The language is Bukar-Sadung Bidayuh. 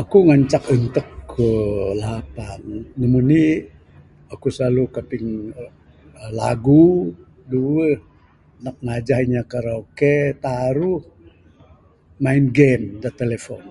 Aku ngancak entuk ku lapang, numur indi aku silalu kaping aaa lagu, duwuh nak ngajah inya karaoke, taruh main game da telefon.